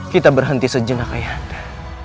kita berhenti sejenak ayah anda